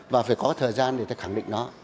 và phải có thời gian để khẳng định nó